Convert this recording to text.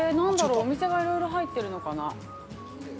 お店がいろいろ入ってるのかな。